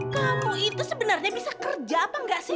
kamu itu sebenernya bisa kerja apa ga sih